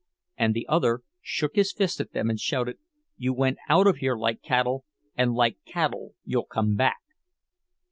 And the other shook his fist at them, and shouted, "You went out of here like cattle, and like cattle you'll come back!"